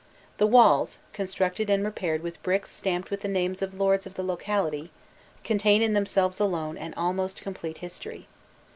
The walls, constructed and repaired with bricks stamped with the names of lords of the locality, contain in themselves alone an almost complete history.